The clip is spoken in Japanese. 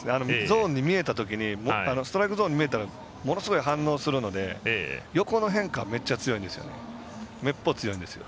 ストライクゾーン見えたらものすごい反応するので横の変化はめっちゃ強いんですよね。